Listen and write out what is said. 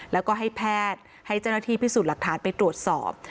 แล้วก็ให้แพทย์ให้เจ้าหน้าที่พิสูจน์หลักฐานไปตรวจสอบ